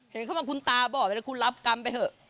เห็นเขาบอกคุณตาบอกไปแล้วคุณรับกรรมไปเถอะ